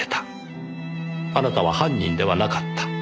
あなたは犯人ではなかった。